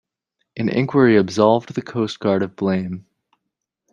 An inquiry absolved the Coast Guard of blame.